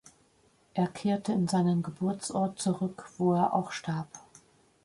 Er kehrte in seinen Geburtsort zurück, wo er auch starb.